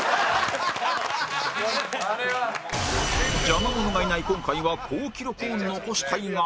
邪魔者がいない今回は好記録を残したいが